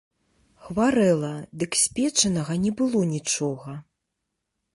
Хварэла, дык спечанага не было нічога.